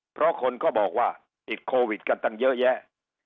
เพราะคนก็บอกว่าติดโควิดกันตั้งเยอะแยะ